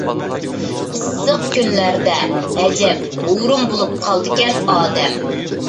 ئىسسىق كۈنلەردە ئەجەب ھۇرۇن بولۇپ قالىدىكەن ئادەم.